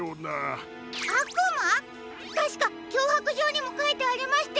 たしかきょうはくじょうにもかいてありましたよね。